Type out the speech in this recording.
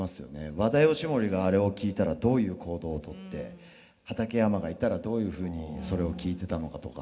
和田義盛があれを聞いたらどういう行動をとって畠山がいたらどういうふうにそれを聞いてたのかとか。